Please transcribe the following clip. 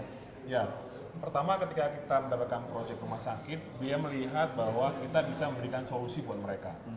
ya pertama ketika kita mendapatkan proyek rumah sakit dia melihat bahwa kita bisa memberikan solusi buat mereka